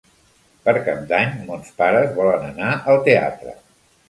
Per Cap d'Any mons pares volen anar al teatre.